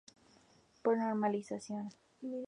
Por normalización.